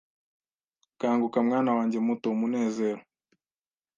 Kanguka mwana wanjye muto umunezero